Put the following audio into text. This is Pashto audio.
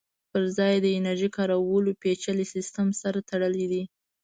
پرځای یې د انرژۍ کارولو پېچلي سیسټم سره تړلی دی